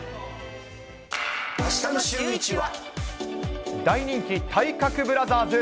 あしたのシューイチは。